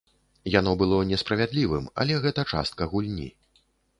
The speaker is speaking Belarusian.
Яно было несправядлівым, але гэта частка гульні.